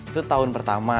itu tahun pertama